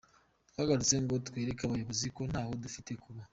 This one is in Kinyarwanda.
Twagarutse ngo twereke abayobozi ko ntaho dufite ho kuba.